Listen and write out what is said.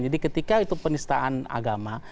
jadi ketika itu penistaan agama